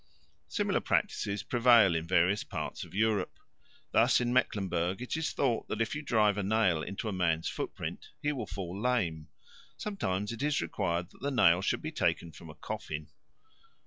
Similar practices prevail in various parts of Europe. Thus in Mecklenburg it is thought that if you drive a nail into a man's footprint he will fall lame; sometimes it is required that the nail should be taken from a coffin.